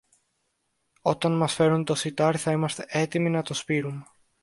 Όταν μας φέρουν το σιτάρι, θα είμαστε έτοιμοι να το σπείρομε.